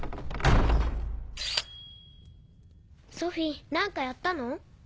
ソフィー何かやったの？